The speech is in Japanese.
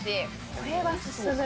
これは進む。